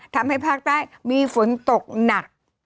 ทำให้ภาคใต้มีฝนตกหนัก